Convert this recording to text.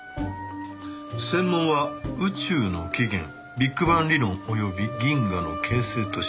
専門は「宇宙の起源ビッグバン理論及び銀河の形成と進化」。